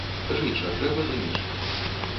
Жыць жа трэба за нешта.